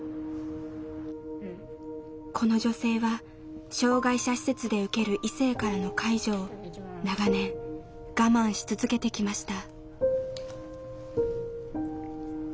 この女性は障害者施設で受ける異性からの介助を長年我慢し続けてきました。